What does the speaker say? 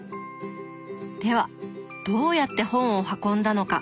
ではどうやって本を運んだのか。